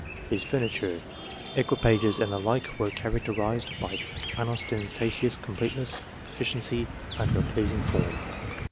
His furniture, equipages, and the like were characterised by unostentatious completeness and efficiency under a pleasing form.